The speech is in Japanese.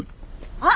あっ！